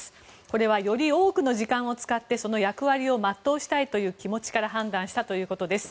これはより多くの時間を使ってその役割を全うしたいという気持ちから判断したということです。